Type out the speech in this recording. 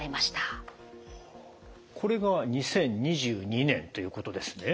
これが２０２２年ということですね。